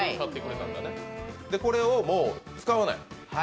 これをもう使わない？